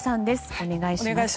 お願いします。